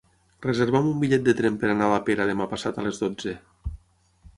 Reserva'm un bitllet de tren per anar a la Pera demà passat a les dotze.